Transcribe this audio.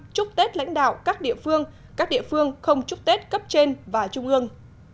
chúc tết lãnh đạo các địa phương các địa phương không chúc tết cấp trên và trung ương